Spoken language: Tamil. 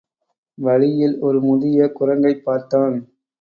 வழியில் ஒரு முதிய குரங்கைப் பார்த்தான்.